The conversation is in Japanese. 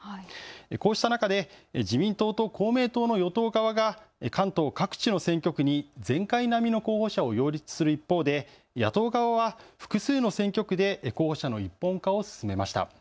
こうした中で自民党と公明党の与党側が関東各地の選挙区に前回並みの候補者を擁立する一方で野党側は複数の選挙区で候補者の一本化を進めました。